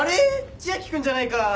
千秋君じゃないか。